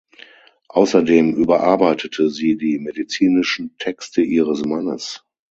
Außerdem überarbeitete sie die medizinischen Texte ihres Mannes.